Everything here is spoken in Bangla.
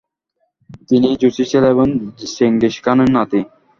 তিনি জোচির ছেলে এবং চেঙ্গিস খানের নাতি।